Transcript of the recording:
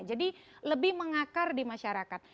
jadi lebih mengakar di masyarakat